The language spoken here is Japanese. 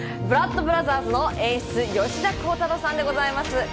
『ブラッド・ブラザーズ』の演出、吉田鋼太郎さんでございます。